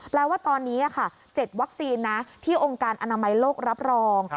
แปลว่าตอนนี้๗วัคซีนนะที่องค์การอนามัยโลกรับรอง